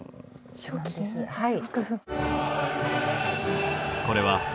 はい。